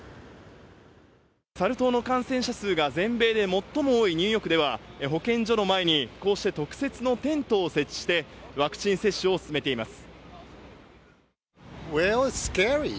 サル痘の感染者数が全米で最も多いニューヨークでは、保健所の前に、こうして特設のテントを設置して、ワクチン接種を進めています。